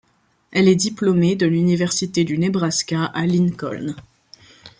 Elle est diplômée de l'université du Nebraska à Lincoln.